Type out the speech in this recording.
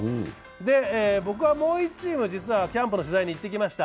僕はもう１チーム、実はキャンプの取材に行ってきました。